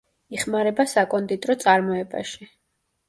იხმარება საკონდიტრო წარმოებაში.